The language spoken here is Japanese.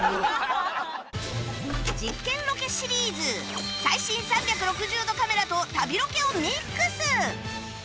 実験ロケシリーズ最新３６０度カメラと旅ロケをミックス